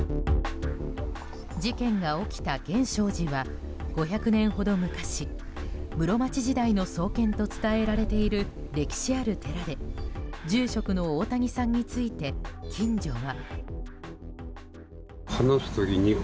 事件が起きた源証寺は５００年ほど昔室町時代の創建と伝えられている歴史ある寺で住職の大谷さんについて近所は。